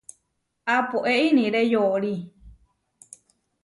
Apoé iniré yoorí.